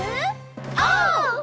オー！